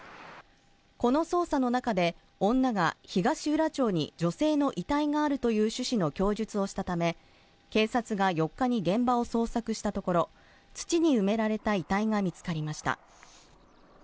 この捜査の中で女が東浦町に女性の遺体があるという趣旨の供述をしたため警察が４日に現場を捜索したところ土に埋められた遺体が見つかりました。